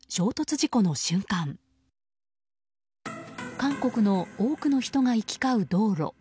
韓国の多くの人が行き交う道路。